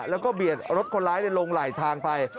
แล้วก็เบียดรถคนร้ายลงไหลทางไป